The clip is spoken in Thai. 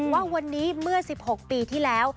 ว่าวันนี้เมื่อ๑๖ปีที่แล้ว